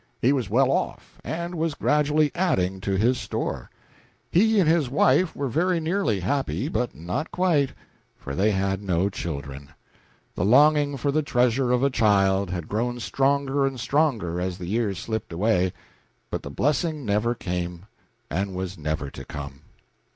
He was well off, and was gradually adding to his store. He and his wife were very nearly happy, but not quite, for they had no children. The longing for the treasure of a child had grown stronger and stronger as the years slipped away, but the blessing never came and was never to come.